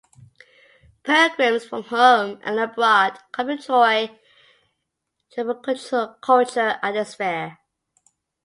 Pilgrims from home and abroad come to enjoy the tribal culture at this fair.